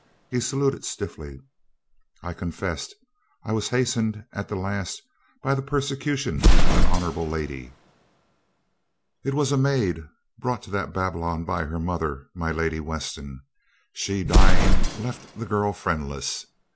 He saluted stiffly. "I'll confess I was hast ened at the last by the persecution of an honorable lady. It was a maid brought to that Babylon by her mother, my Lady Weston. She dying, left the girl friendless.